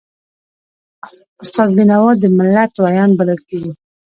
استاد بینوا د ملت ویاند بلل کېږي.